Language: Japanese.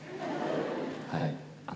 はい。